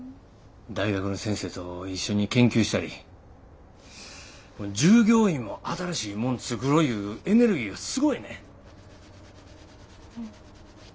大学の先生と一緒に研究したり従業員も新しいもん作ろいうエネルギーがすごいねん。